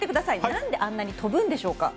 何であんなに飛ぶんでしょうか？